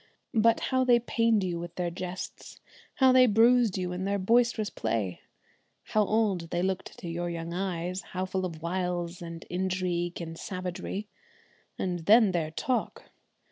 But how they pained you with their jests; how they bruised you in their boisterous play; how old they looked to your young eyes; how full of wiles and intrigue and savagery! And then their talk!